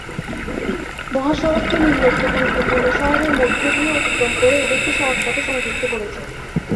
মহাসড়কটি নিম্নোক্ত গুরুত্বপূর্ণ শহরের মধ্যে দিয়ে অতিক্রম করে এদেরকে সড়কপথে সংযুক্ত করেছে।